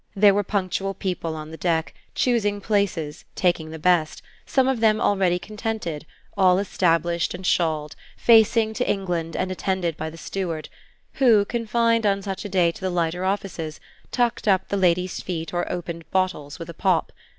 There were punctual people on the deck, choosing places, taking the best; some of them already contented, all established and shawled, facing to England and attended by the steward, who, confined on such a day to the lighter offices, tucked up the ladies' feet or opened bottles with a pop.